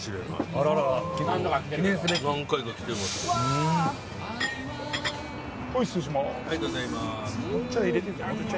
ありがとうございます。